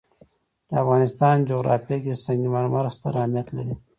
د افغانستان جغرافیه کې سنگ مرمر ستر اهمیت لري.